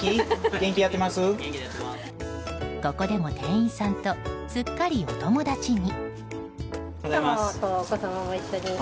ここでも店員さんとすっかりお友達に。